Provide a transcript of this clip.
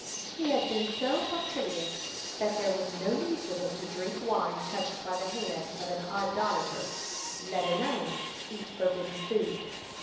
(17) He had been so punctilious that there was no need for them to drink wine touched by the hand of an idolater, let alone eat forbidden food.